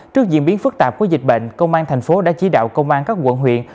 trước diễn biến phức tạp của dịch bệnh công an thành phố đã chỉ đạo công an các quận huyện